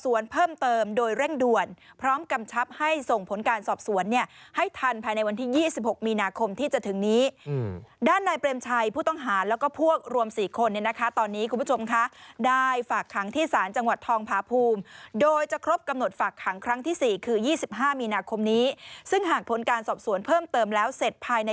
ส่วนเพิ่มเติมโดยเร่งด่วนพร้อมกำชับให้ส่งผลการสอบสวนเนี่ยให้ทันภายในวันที่๒๖มีนาคมที่จะถึงนี้ด้านนายเปรมชัยผู้ต้องหาแล้วก็พวกรวม๔คนเนี่ยนะคะตอนนี้คุณผู้ชมคะได้ฝากขังที่ศาลจังหวัดทองพาภูมิโดยจะครบกำหนดฝากขังครั้งที่๔คือ๒๕มีนาคมนี้ซึ่งหากผลการสอบสวนเพิ่มเติมแล้วเสร็จภายใน